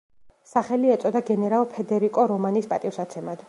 სახელი ეწოდა გენერალ ფედერიკო რომანის პატივსაცემად.